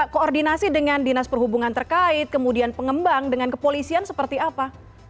koordinasi dengan dinas perhubungan terkait kemudian pengembang dengan kepolisian seperti apa